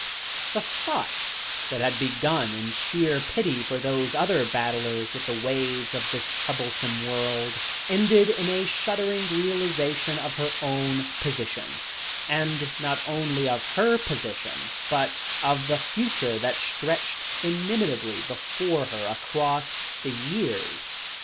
The thoughts that had begun in sheer pity for those other battlers with the waves of this troublesome world, ended in a shuddering realisation of her own position; and not only of her position for the moment, but of the future that stretched inimitably before her across the years.